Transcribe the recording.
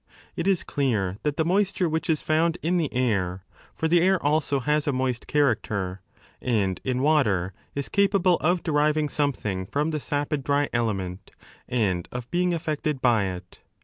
It is clear that the moisture which is found in 9 the air (for the air also has a moist character) and in water is capable of deriving something from the sapid dry element and of being affected by it.